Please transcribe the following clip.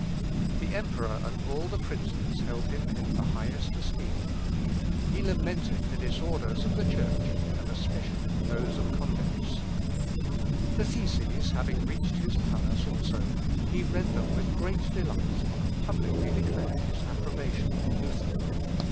The emperor and all the princes held him in the highest esteem. He lamented the disorders of the Church, and especially those of convents. The theses having reached his palace also, he read them with great delight, and publicly declared his approbation of Luther.